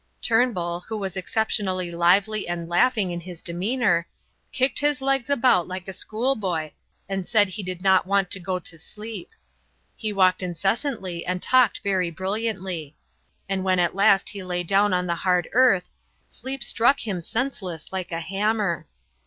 Turnbull, who was exceptionally lively and laughing in his demeanour, kicked his legs about like a schoolboy and said he did not want to go to sleep. He walked incessantly and talked very brilliantly. And when at last he lay down on the hard earth, sleep struck him senseless like a hammer.